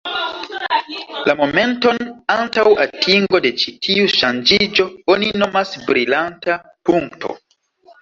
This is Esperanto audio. La momenton antaŭ atingo de ĉi tiu ŝanĝiĝo oni nomas brilanta punkto.